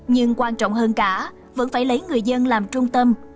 nhưng quan trọng hơn cả vẫn phải lấy người dân làm trung tâm